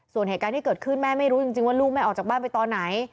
ส่วนเหตุการณ์ที่เกิดขึ้นแม่ไม่รู้จริงว่าลูกแม่ออกจากบ้านไปตอนไหน